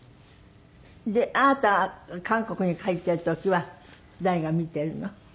であなたが韓国に帰ってる時は誰が見てるの？